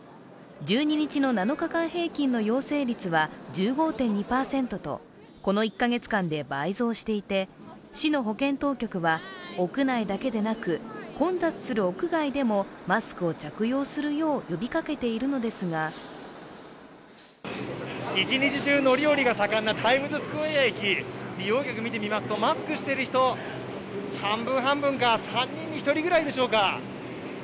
１２日の７日間平均の陽性率は１５．２％とこの１カ月間で倍増していて、市の保健当局は屋内だけでなく、混雑する屋外でもマスクを着用するよう呼びかけているのですが一日中乗り降りが盛んなタイムズスクエア駅、利用客見てみますと、マスクしている人、半分半分か３人に１人ぐらいでしょうか。